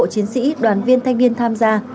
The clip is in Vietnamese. cảm ơn các cán bộ chiến sĩ đoàn viên thanh niên tham gia